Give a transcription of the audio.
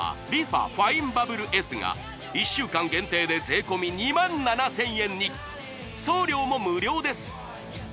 ファインバブルＳが１週間限定で税込２万７０００円に送料も無料です